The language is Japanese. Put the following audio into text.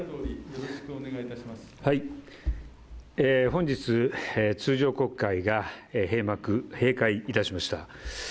本日、通常国会が閉幕、閉会いたしました。